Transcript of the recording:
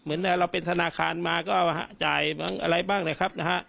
เอาเป็นธนาคารมาก็จ่ายอะไรบ้างแหละครับ